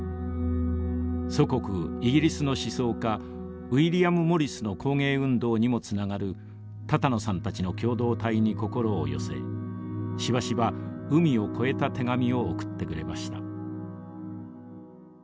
祖国イギリスの思想家ウィリアム・モリスの工芸運動にもつながる多々納さんたちの共同体に心を寄せしばしば海を越えた手紙を送ってくれました。